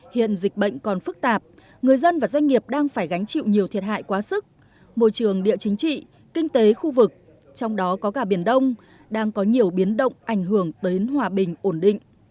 hiện dịch bệnh còn phức tạp người dân và doanh nghiệp đang phải gánh chịu nhiều thiệt hại quá sức môi trường địa chính trị kinh tế khu vực trong đó có cả biển đông đang có nhiều biến động ảnh hưởng tới hòa bình ổn định